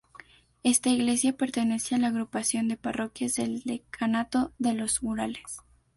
Esta iglesia pertenece a la agrupación de parroquias del decanato de los Urales.